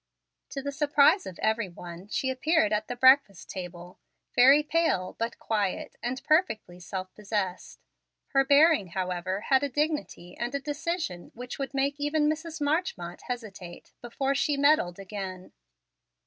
To the surprise of every one, she appeared at the breakfast table, very pale, but quiet, and perfectly self possessed. Her bearing, however, had a dignity and a decision which would make even Mrs. Marchmont hesitate before she "meddled" again.